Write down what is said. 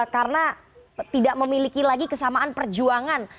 karena tidak memiliki lagi kesamaan perjuangan